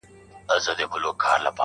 اوس رستم غوندي ورځم تر كندوگانو٫